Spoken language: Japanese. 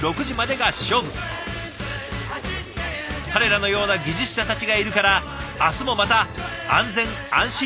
彼らのような技術者たちがいるから明日もまた安全・安心の一日が始まる。